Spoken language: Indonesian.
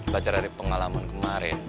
baca dari pengalaman kemarin